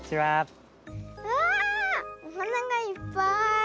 わあおはながいっぱい。